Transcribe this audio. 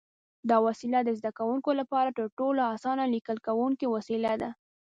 دا وسیله د زده کوونکو لپاره تر ټولو اسانه لیکل کوونکی وسیله ده.